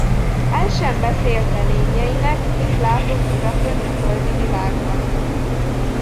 El sem beszélte nénjeinek, mit látott odafönn a földi világban.